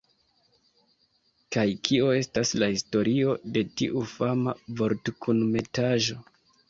Kaj kio estas la historio de tiu fama vortkunmetaĵo